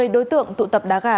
một mươi đối tượng tụ tập đá gà